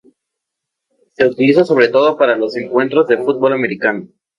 Se utiliza sobre todo para los encuentros de fútbol americano.